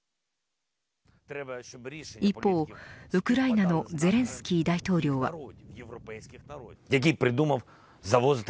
一方、ウクライナのゼレンスキー大統領は。